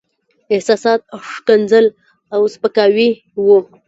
احساسات، ښکنځل او سپکاوي وو.